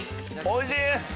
おいしい！